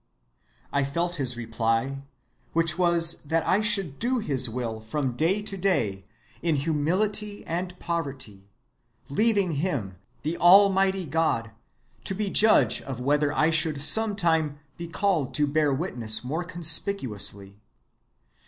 I felt his reply, which was that I should do his will from day to day, in humility and poverty, leaving him, the Almighty God, to be judge of whether I should some time be called to bear witness more conspicuously.